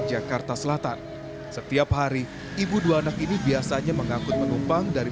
jakarta selatan setiap hari ibu dua anak ini biasanya mengangkut penumpang dari